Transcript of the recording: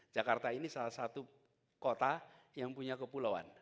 jakarta ini salah satu kota yang punya kepulauan